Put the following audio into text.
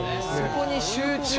そこに集中して。